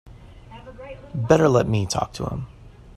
Better let me talk to him.